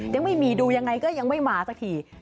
ยังไม่มีดูยังไงก็ยังไม่มาสักที